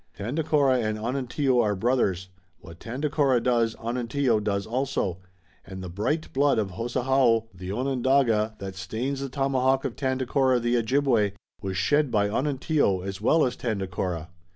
Tandakora and Onontio are brothers. What Tandakora does Onontio does also, and the bright blood of Hosahaho, the Onondaga, that stains the tomahawk of Tandakora, the Ojibway, was shed by Onontio as well as Tandakora.